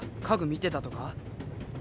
家具見てたとか？